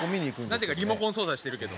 なぜかリモコン操作してるけど。